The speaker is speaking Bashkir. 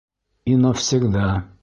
И навсегда!